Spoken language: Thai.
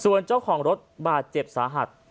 ส่วนเจ้าของรถบาดเจ็บสาหัส